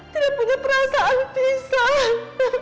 tidak punya perasaan pisang